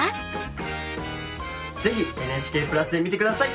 是非ＮＨＫプラスで見て下さい。